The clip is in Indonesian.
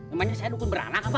emangnya saya dukun beranak apa